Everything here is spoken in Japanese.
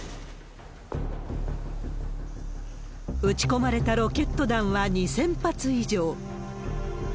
撃ち込まれたロケット弾は２０００発以上。